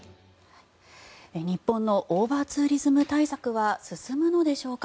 日本のオーバーツーリズム対策は進むのでしょうか。